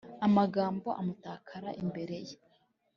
Amabango amutakara imbere ye;